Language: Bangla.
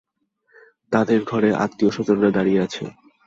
তাদের ঘিরে আত্মীয়স্বজনরা দাঁড়িয়ে আছে।